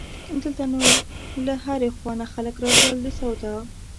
دلته نو له هرې خوا نه خلک راتلل د سودا.